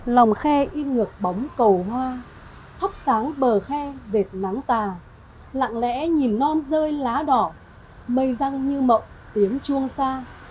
lòng khe im ngược bóng cầu hoa thắp sáng bờ khe vệt nắng tà lặng lẽ nhìn non rơi lá đỏ mây răng như mộng tiếng chuông xa